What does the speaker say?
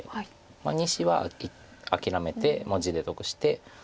２子は諦めてもう地で得して。